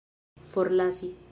forlasi